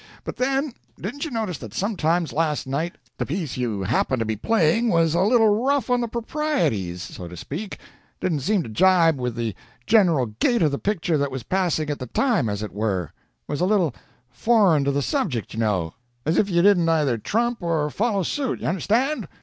But then, didn't you notice that sometimes last night the piece you happened to be playing was a little rough on the proprieties, so to speak didn't seem to jibe with the general gait of the picture that was passing at the time, as it were was a little foreign to the subject, you know as if you didn't either trump or follow suit, you understand?'